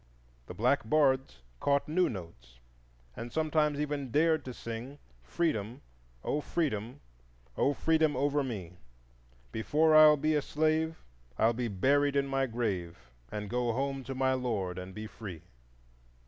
The black bards caught new notes, and sometimes even dared to sing,— "O Freedom, O Freedom, O Freedom over me! Before I'll be a slave I'll be buried in my grave, And go home to my Lord And be free."